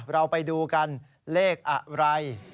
เราไปดูกันเลขอะไร